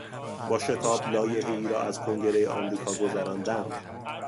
با شتاب لایحهای را از کنگرهی آمریکا گذراندن